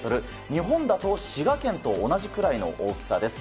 日本だと滋賀県と同じくらいの大きさです。